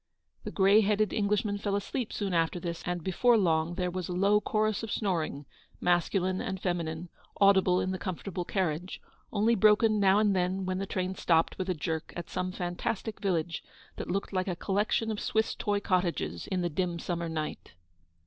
The grey headed Englishman fell asleep soon after this, and before long there was a low chorus of snoring, masculine and feminine, audible in the comfortable carriage; only broken now and then, when the train stopped with a jerk at some fantastic village that looked like a collection of Swiss toy cottages in the dim summer night.